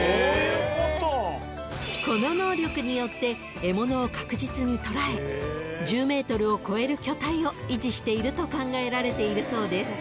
［この能力によって獲物を確実にとらえ１０ｍを超える巨体を維持していると考えられているそうです］